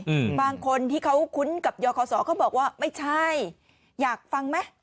อืมบางคนที่เขาคุ้นกับยอคอสอเขาบอกว่าไม่ใช่อยากฟังไหม